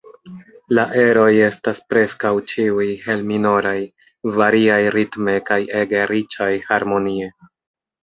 La eroj estas preskaŭ ĉiuj hel-minoraj, variaj ritme kaj ege riĉaj harmonie.